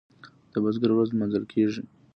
د بزګر ورځ لمانځل کیږي.